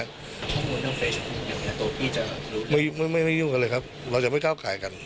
บอกว่าเล่นเฟซอยู่ไหนตัวพี่จะรู้หรือไม่ยุ่งกันเลยครับเราจะไม่เข้าข่ายกัน